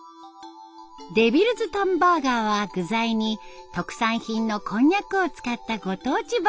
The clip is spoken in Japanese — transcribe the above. デビルズタンバーガーは具材に特産品のこんにゃくを使ったご当地バーガー。